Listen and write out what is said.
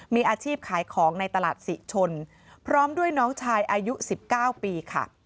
มีอาชีพขายของในตลาดศรีชนพร้อมด้วยน้องชายอายุ๑๙ปีค่ะ